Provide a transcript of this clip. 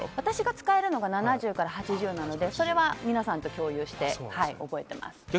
私が使えるのが７０から８０なので、皆さん共有して覚えてます。